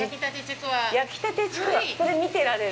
これ見てられる？